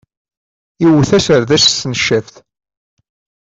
Iwet aserdas s tneccabt.